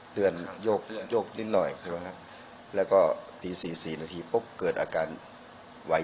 เตือนโยกนิดหน่อยใช่ไหมครับแล้วก็ตี๔๔นาทีปุ๊บเกิดอาการไหว